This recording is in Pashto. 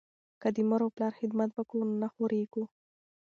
که د مور او پلار خدمت وکړو نو نه خواریږو.